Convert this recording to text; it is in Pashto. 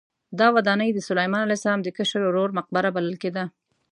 دا ودانۍ د سلیمان علیه السلام د کشر ورور مقبره بلل کېده.